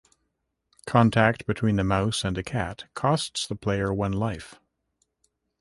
Contact between the mouse and a cat costs the player one life.